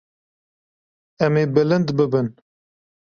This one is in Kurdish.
Em ê bilind bibin.